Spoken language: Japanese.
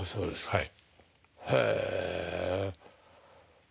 はい。